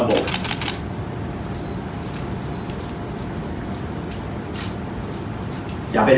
อย่าไปด่าวนั่นเดี๋ยวจะทำให้ค่ะ